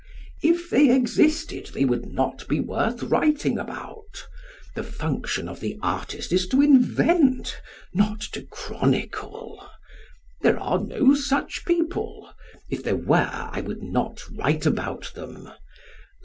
If they existed they would not be worth writing about. The function of the artist is to invent, not to chronicle. There are no such people. If there were I would not write about them.